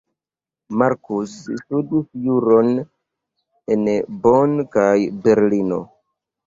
Marcus studis juron en Bonn kaj Berlino.